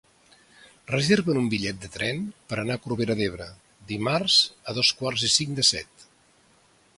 Reserva'm un bitllet de tren per anar a Corbera d'Ebre dimarts a dos quarts i cinc de set.